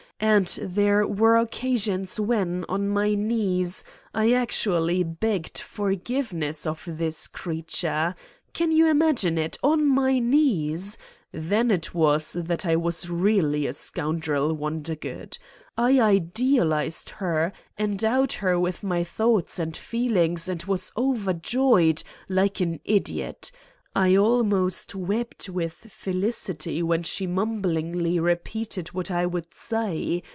And there were occasions when, on my knees, I actually begged forgiveness of this creature ! Can you imagine it : on my knees ! Then it was that I was really a scoundrel, Wondergood. I idealized her, endowed her with my thoughts and feelings 246 Satan's Diary and was overjoyed, like an idiot. I almost wept with felicity when she mumblingly repeated what I would say.